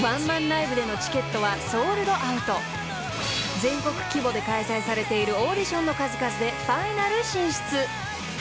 ［全国規模で開催されているオーディションの数々でファイナル進出］